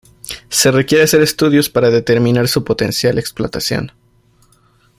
Se requiere hacer estudios para determinar su potencial explotación.